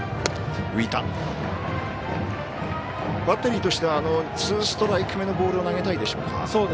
バッテリーとしてはツーストライク目のボールを投げたいでしょうか？